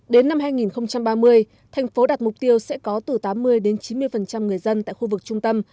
đến năm hai nghìn ba mươi thành phố đặt mục tiêu sẽ có từ tám mươi chín mươi người dân tại khu vực trung tâm